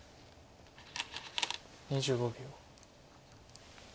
２５秒。